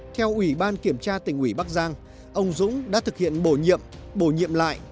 theo ủy ban kiểm tra tỉnh ủy bắc giang ông dũng đã thực hiện bổ nhiệm bổ nhiệm lại